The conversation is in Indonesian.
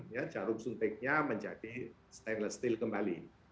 ya jarum suntiknya menjadi stainless steel kembali